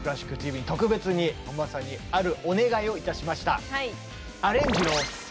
特別に本間さんにあるお願いをいたしました。